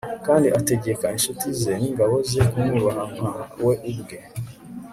kandi ategeka incuti ze n'ingabo ze kumwubaha nka we ubwe